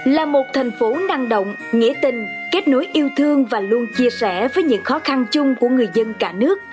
là một thành phố năng động nghĩa tình kết nối yêu thương và luôn chia sẻ với những khó khăn chung của người dân cả nước